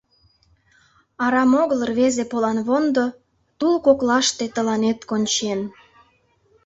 Арам огыл рвезе поланвондо Тул коклаште тыланет кончен.